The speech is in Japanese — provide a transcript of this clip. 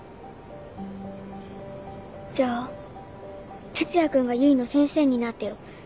じゃあ哲也君が唯の先生になってよ。